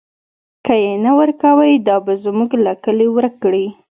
که یې نه ورکوئ، دا به موږ له کلي ورک کړي.